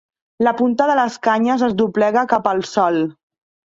La punta de les canyes es doblega cap al sòl.